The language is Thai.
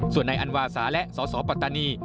ส่วนนายอันวาสาและสสปัตตานี